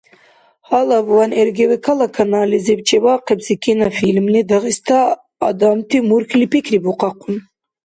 Гьалабван РГВК-ла каналлизиб чебаахъибси кинофильмли Дагъиста адамти мурхьли пикрибухъахъун.